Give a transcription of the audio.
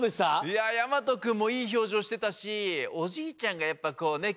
いややまとくんもいいひょうじょうしてたしおじいちゃんがやっぱこうね